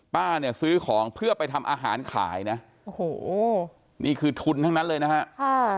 ป้าเนี่ยซื้อของเพื่อไปทำอาหารขายนะโอ้โหนี่คือทุนทั้งนั้นเลยนะฮะค่ะ